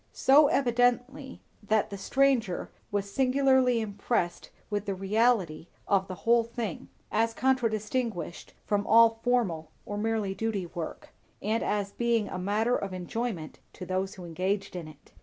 So evidently, that the stranger was singularly impressed with the reality of the whole thing, as contradistinguished from all formal or merely duty work, and as being a matter of enjoyment to those engaged in it.